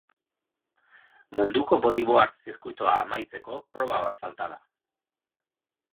Munduko bordyboard zirkuitoa amaitzeko proba bat falta da.